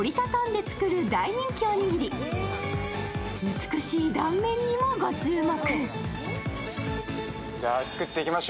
美しい断面にもご注目。